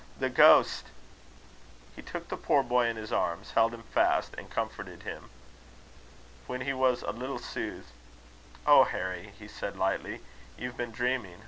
the ghost!" He took the poor boy in his arms, held him fast, and comforted him. When he was a little soothed, "Oh, Harry!" he said, lightly, "you've been dreaming.